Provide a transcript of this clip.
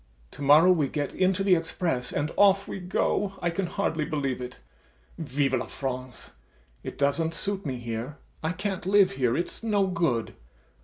To morrow we get into the express and off we go. I can hardly believe it. Vive la France! It doesn't suit me here, I can't live here... it's no good.